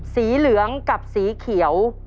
สีเหลืองกับสีเขียว